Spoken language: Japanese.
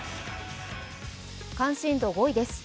関心度５位です。